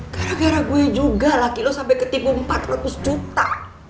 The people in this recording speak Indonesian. gara gara gue juga laki lo sampai ketibu empat ratus juta